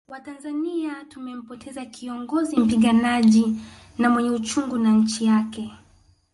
Watanzania tumempoteza kiongozi mpiganaji na mwenye uchungu na nchi yake